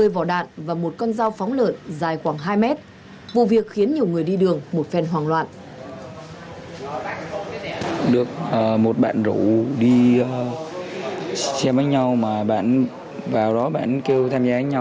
một mươi vỏ đạn và một con dao phóng lợi dài khoảng hai mét vụ việc khiến nhiều người đi đường một phên hoàng loạn